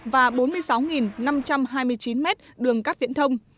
và bốn mươi sáu năm trăm hai mươi chín m đường các viễn thông